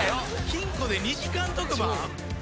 金庫で２時間特番？